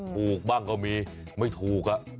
ถูกบ้างก็มีไม่ถูก